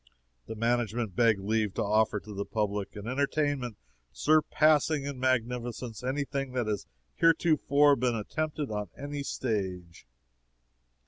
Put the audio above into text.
The management beg leave to offer to the public an entertainment surpassing in magnificence any thing that has heretofore been attempted on any stage.